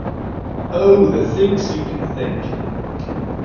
Oh, the Thinks You Can Think!